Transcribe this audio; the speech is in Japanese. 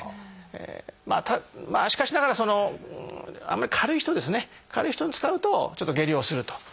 しかしながらその軽い人ですね軽い人に使うとちょっと下痢をすると。